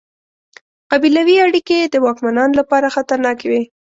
قبیلوي اړیکې یې د واکمنانو لپاره خطرناکې وې.